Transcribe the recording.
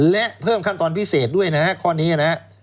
และเพิ่มขั้นตอนพิเศษด้วยนะฮะข้อนี้นะครับ